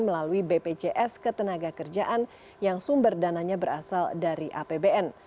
melalui bpjs ketenaga kerjaan yang sumber dananya berasal dari apbn